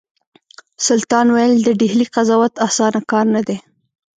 سلطان ویل د ډهلي قضاوت اسانه کار نه دی.